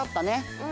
うん。